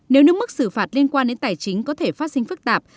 nếu nước mức xử phạt liên quan đến tài chính có thể phát sinh phức tạp